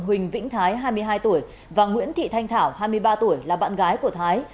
huỳnh vĩnh thái hai mươi hai tuổi và nguyễn thị thanh thảo hai mươi ba tuổi là bạn gái của thái